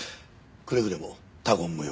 くれぐれも他言無用に。